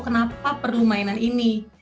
kenapa perlu mainan ini